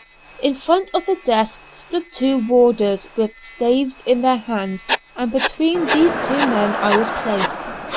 In front of the desk stood two warders with staves in their hands, and between these two men I was placed.